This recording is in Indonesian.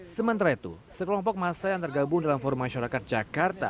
sementara itu sekelompok masa yang tergabung dalam forum masyarakat jakarta